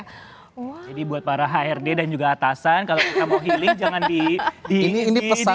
jadi buat para hrd dan juga atasan kalau mau healing jangan di ini ya